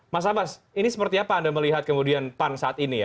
mas abbas ini seperti apa anda melihat kemudian pan saat ini ya